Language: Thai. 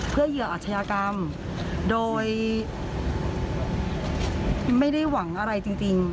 เพื่อเหยื่ออาชญากรรมโดยไม่ได้หวังอะไรจริง